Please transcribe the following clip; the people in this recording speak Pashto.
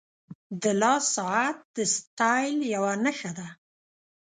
• د لاس ساعت د سټایل یوه نښه ده.